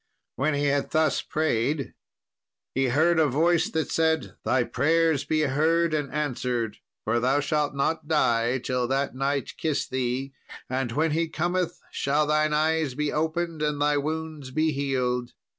When he had thus prayed, he heard a voice that said, 'Thy prayers be heard and answered, for thou shalt not die till that knight kiss thee; and when he cometh shall thine eyes be opened and thy wounds be healed.'